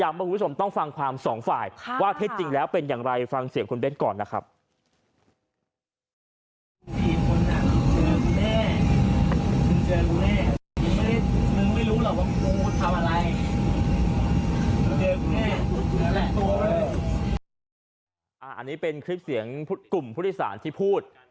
อันนี้เป็นคลิปเสียงกลุ่มผู้โดยสารที่พูด